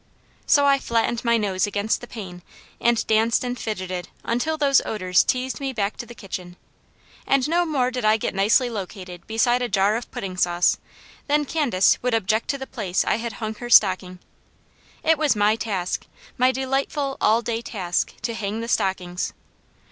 So I flattened my nose against the pane and danced and fidgeted until those odours teased me back to the kitchen; and no more did I get nicely located beside a jar of pudding sauce than Candace would object to the place I had hung her stocking. It was my task, my delightful all day task, to hang the stockings.